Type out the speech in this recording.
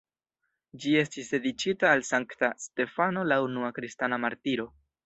Ĝi estis dediĉita al Sankta Stefano, la unua kristana martiro.